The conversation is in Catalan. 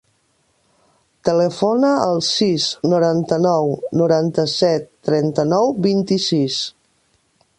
Telefona al sis, noranta-nou, noranta-set, trenta-nou, vint-i-sis.